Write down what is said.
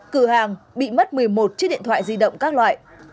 cửa hàng bị mất một mươi một chiếc điện thoại di động các loại